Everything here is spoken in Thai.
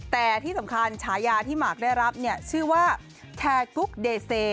แต่ที่สำคัญฉายาที่หมากได้รับเนี่ยชื่อว่าแคร์กุ๊กเดเซ